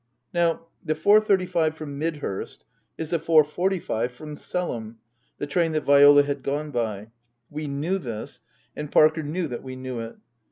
Now the four thirty five from Midhurst is the four forty five from Selham, the train that Viola had gone by. We knew this ; and Parker knew that we knew it.